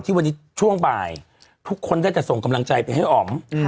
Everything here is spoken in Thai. วันนี้ช่วงบ่ายทุกคนได้แต่ส่งกำลังใจไปให้อ๋อม